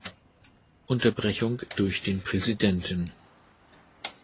Unterbrechung durch den Präsidenten.